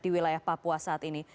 di wilayah papua saat ini